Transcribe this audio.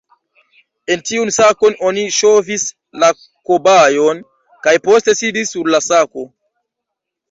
En tiun sakon oni ŝovis la kobajon, kaj poste sidis sur la sako.